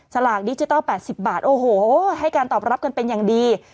ลากดิจิทัล๘๐บาทโอ้โหให้การตอบรับกันเป็นอย่างดี